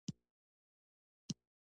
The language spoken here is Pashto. د معدې د خالي کیدو لپاره پیاده تګ وکړئ